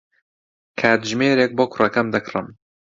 کاتژمێرێک بۆ کوڕەکەم دەکڕم.